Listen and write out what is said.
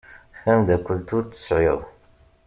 Tamdakelt ur tt-sεiɣ.